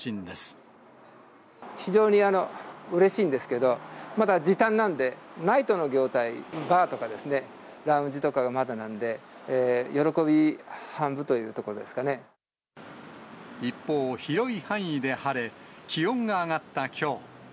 非常にうれしいんですけど、まだ時短なんで、ナイトの業態、バーとかですね、ラウンジとかがまだなんで、一方、広い範囲で晴れ、気温が上がったきょう。